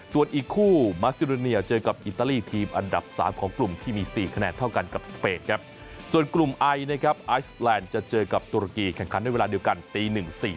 ส่วนอีกคู่มาซิลาเนียเจอกับอิตาลี